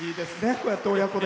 こうやって親子で。